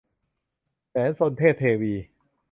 แสนซน - เทพเทวี